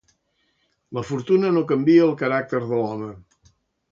La fortuna no canvia el caràcter de l'home.